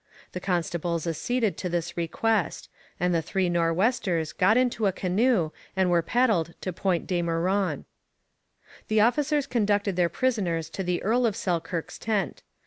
The constables acceded to this request, and the three Nor'westers got into a canoe and were paddled to Point De Meuron. The officers conducted their prisoners to the Earl of Selkirk's tent.